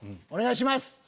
お願いします。